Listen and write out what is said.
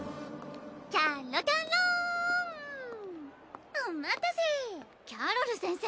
キャロキャロンお待たせキャロル先生